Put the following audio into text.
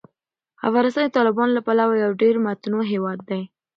افغانستان د تالابونو له پلوه یو ډېر متنوع هېواد دی.